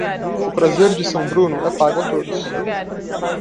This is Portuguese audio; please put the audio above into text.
O prazer de São Bruno é pago a todos.